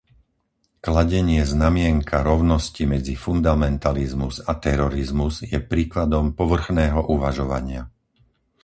Kladenie znamienka rovnosti medzi fundamentalizmus a terorizmus je príkladom povrchného uvažovania.